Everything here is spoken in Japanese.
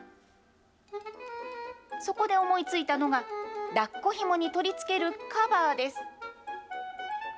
そこで思いついたのが、だっこひもに取り付けるカバーです。